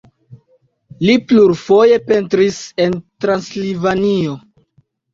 Li plurfoje pentris en Transilvanio.